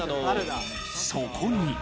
そこに。